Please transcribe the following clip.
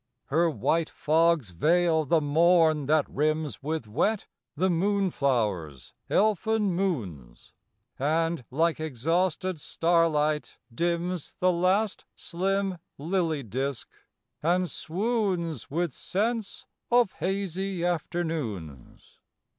Her white fogs veil the morn that rims With wet the moonflow'r's elfin moons; And, like exhausted starlight, dims The last slim lily disk; and swoons With scents of hazy afternoons.